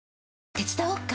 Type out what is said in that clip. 手伝おっか？